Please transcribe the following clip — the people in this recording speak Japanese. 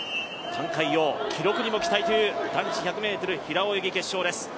覃海洋、記録にも期待という男子１００ｍ平泳ぎ決勝です。